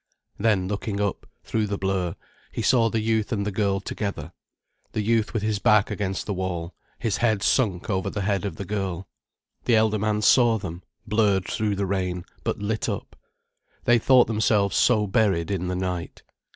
Then looking up, through the blurr, he saw the youth and the girl together, the youth with his back against the wall, his head sunk over the head of the girl. The elder man saw them, blurred through the rain, but lit up. They thought themselves so buried in the night.